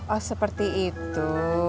oh seperti itu